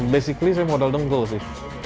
basically saya modal nunggu sih